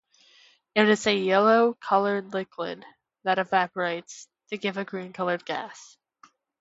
It is a yellow-colored liquid that evaporates to give a green-colored gas.